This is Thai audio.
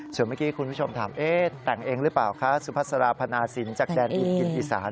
ส่วนเมื่อกี้คุณผู้ชมถามแต่งเองหรือเปล่าคะสุพัสราพนาศิลป์จากแดนดินกินอีสาน